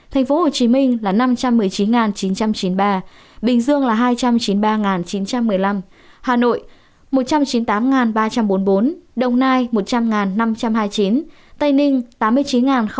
tp hcm là năm trăm một mươi chín chín trăm chín mươi ba bình dương là hai trăm chín mươi ba chín trăm một mươi năm hà nội một trăm chín mươi tám ba trăm bốn mươi bốn đồng nai một trăm linh năm trăm hai mươi chín tây ninh tám mươi chín hai nghìn hai mươi